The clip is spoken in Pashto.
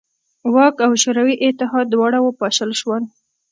واک او شوروي اتحاد دواړه وپاشل شول.